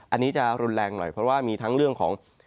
อันนี้จะรุนแรงหน่อยเพราะว่ามีทั้งเรื่องของ